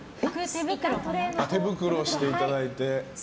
手袋をしていただいて。